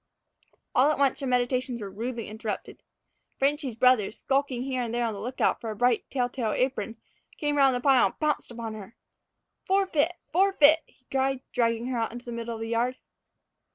All at once her meditations were rudely interrupted. "Frenchy's" brother, skulking here and there on the lookout for a bright, telltale apron, came round the pile and pounced upon her. "Forfeet! forfeet!" he cried, dragging her out into the middle of the yard.